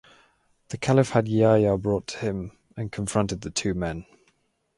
The Caliph had Yahya brought to him and confronted the two men.